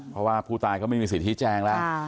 เพราะว่าผู้ตายเขาไม่มีสิทธิแจงแล้ว